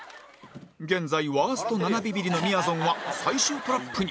現在ワースト７ビビリのみやぞんは最終トラップに